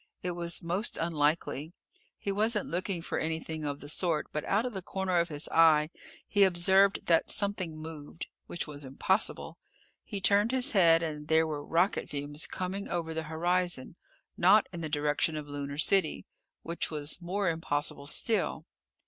It was most unlikely. He wasn't looking for anything of the sort, but out of the corner of his eye he observed that something moved. Which was impossible. He turned his head, and there were rocket fumes coming over the horizon, not in the direction of Lunar City. Which was more impossible still.